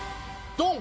ドン！